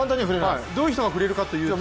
どういう人が振れるかというと。